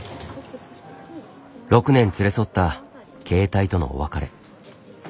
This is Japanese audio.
６年連れ添った携帯とのお別れ。